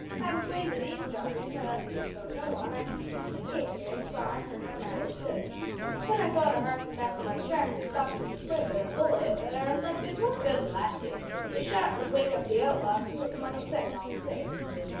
Havin' ways of eavesdroppin' that other people don't know on, I peeped into the cave here, and saw and heard how matters stood. Then I thought o' harkin' back on my tracks an' stoppin' the Flint wi' a bullet but I reflected `what good'll that do? The shot would wake up the outlaws an' putt them on the scent all the same.'